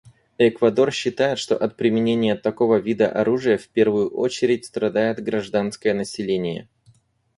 Эквадор считает, что от применения такого вида оружия в первую очередь страдает гражданское население.